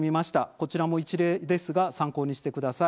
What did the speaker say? こちらも一例ですが参考にしてください。